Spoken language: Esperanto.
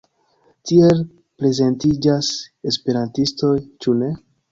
Tiel prezentiĝas esperantistoj, ĉu ne?